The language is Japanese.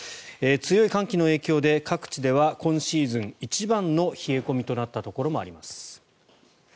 強い寒気の影響で各地では今シーズン一番の冷え込みとなったところもあります。